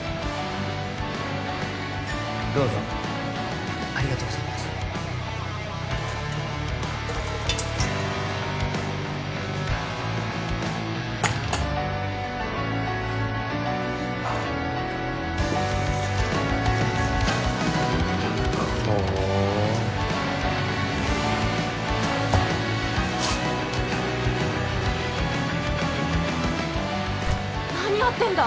どうぞありがとうございますほ何やってんだ？